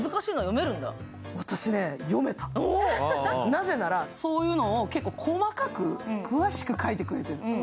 なぜならそういうのを細かく詳しく書いてくれてる。